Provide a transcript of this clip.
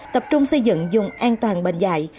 tập trung xây dựng dùng an toàn bệnh dại